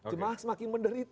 jemaah semakin menderita